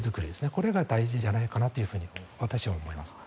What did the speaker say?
これが大事じゃないかなと私は思います。